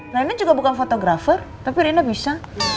rina juga bukan fotografer tapi rina bisa